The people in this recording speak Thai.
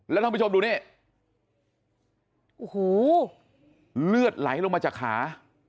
แล้วท่านผู้ชมดูนี่โอ้โหเลือดไหลลงมาจากขา